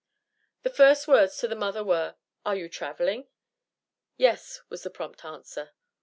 The first words to the mother were: "Are you traveling?" "Yes," was the prompt answer.